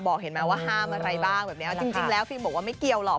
เห็นไหมว่าห้ามอะไรบ้างแบบนี้จริงแล้วฟิล์มบอกว่าไม่เกี่ยวหรอก